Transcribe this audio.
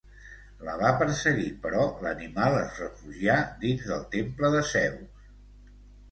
La va perseguir, però l'animal es refugià dins del temple de Zeus.